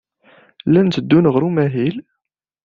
Llan tteddun ɣer umahil.